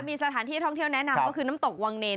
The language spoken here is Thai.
มีสถานที่ท่องเที่ยวแนะนำก็คือน้ำตกวังเนร